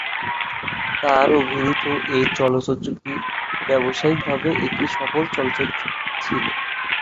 তাঁর অভিনীত এই চলচ্চিত্রটি ব্যবসায়িকভাবে একটি সফল চলচ্চিত্র ছিল।